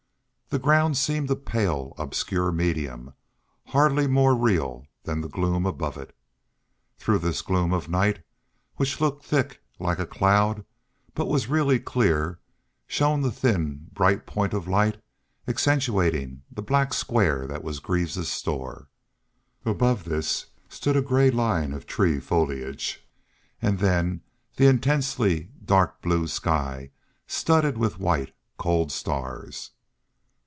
The ground seemed a pale, obscure medium, hardly more real than the gloom above it. Through this gloom of night, which looked thick like a cloud, but was really clear, shone the thin, bright point of light, accentuating the black square that was Greaves's store. Above this stood a gray line of tree foliage, and then the intensely dark blue sky studded with white, cold stars.